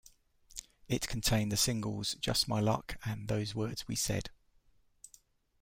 It contained the singles "Just My Luck" and "Those Words We Said.